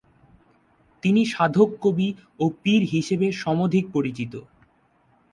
তিনি সাধক কবি ও পীর হিসেবে সমধিক পরিচিত।